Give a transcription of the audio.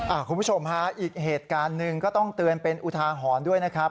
คุณผู้ชมฮะอีกเหตุการณ์หนึ่งก็ต้องเตือนเป็นอุทาหรณ์ด้วยนะครับ